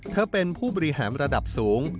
เธอเป็นผู้บริหารระดับสูง